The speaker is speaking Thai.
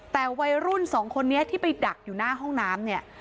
แต่วัยรุ่นสองคนนี้ที่ไปดักอยู่หน้าห้องน้ำเนี่ย